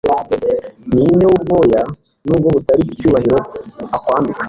Ninde wubwoya nubwo butari icyubahiro akwambika